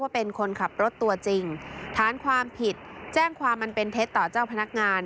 เป็นคนขับรถตัวจริงฐานความผิดแจ้งความมันเป็นเท็จต่อเจ้าพนักงาน